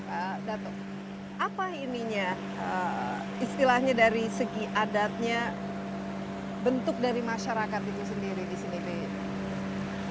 pak dato apa ininya istilahnya dari segi adatnya bentuk dari masyarakat itu sendiri di sini pak